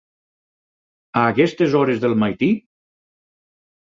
A aquestes hores del matí?